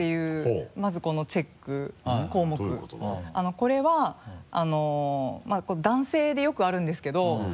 これは男性でよくあるんですけど。